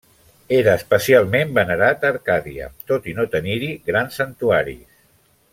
Era especialment venerat a Arcàdia, tot i no tenir-hi grans santuaris.